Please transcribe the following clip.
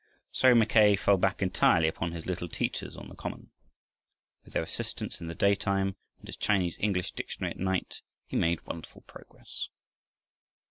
So Mackay fell back entirely upon his little teachers on the common. With their assistance in the daytime and his Chinese English dictionary at night, he made wonderful progress.